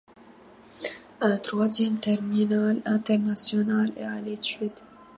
Un troisième terminal international est à l'étude.